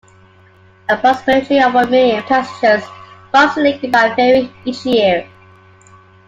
Approximately one million passengers cross the lake by ferry each year.